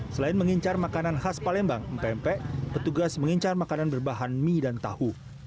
selain mengincar makanan khas palembang mpe mpe petugas mengincar makanan berbahan mie dan tahu